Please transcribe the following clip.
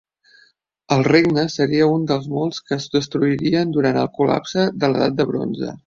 El regne seria un dels molts que es destruirien durant el col·lapse de l'edat del bronze.